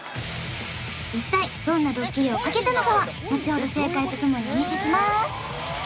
一体どんなドッキリをかけたのかはのちほど正解とともにお見せしまーす